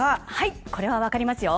これは分かりますよ。